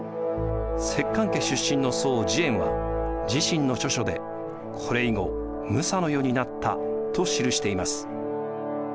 摂関家出身の僧慈円は自身の著書で「これ以後武者の世になった」と記しています。